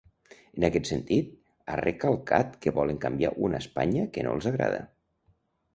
En aquest sentit, ha recalcat que volen canviar una Espanya “que no els agrada”.